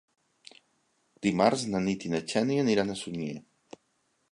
Dimarts na Nit i na Xènia aniran a Sunyer.